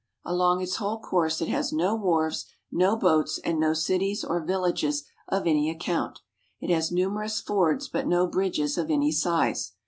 Along its whole course it has no wharves, no boats, and no cities or villages of any account. It has numerous fords but no bridges of any size.